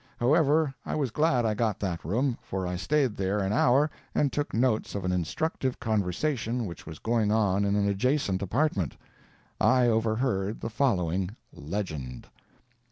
However, I was glad I got that room, for I stayed there an hour and took notes of an instructive conversation which was going on in an adjoining apartment. I overhead the following Legend.